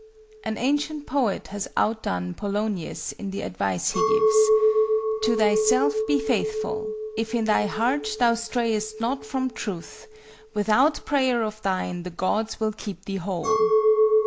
An ancient poet has outdone Polonius in the advice he gives: "To thyself be faithful: if in thy heart thou strayest not from truth, without prayer of thine the Gods will keep thee whole."